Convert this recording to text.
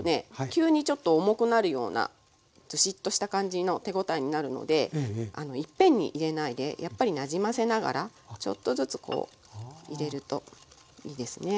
急にちょっと重くなるようなずしっとした感じの手応えになるのでいっぺんに入れないでやっぱりなじませながらちょっとずつこう入れるといいですね。